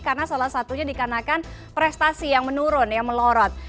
karena salah satunya dikarenakan prestasi yang menurun yang melorot